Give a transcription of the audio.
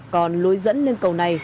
còn lối dẫn lên cầu này